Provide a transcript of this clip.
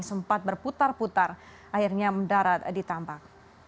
sempat berputar putar akhirnya mendarat di tambak